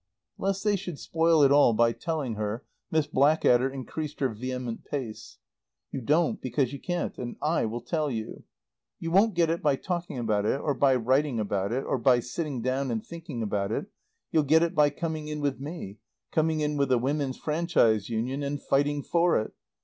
Lest they should spoil it all by telling her Miss Blackadder increased her vehement pace. "You don't because you can't and I will tell you. You won't get it by talking about it or by writing about it, or by sitting down and thinking about it, you'll get it by coming in with me, coming in with the Women's Franchise Union, and fighting for it.